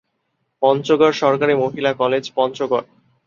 পঞ্চগড় সরকারি মহিলা কলেজ, পঞ্চগড়।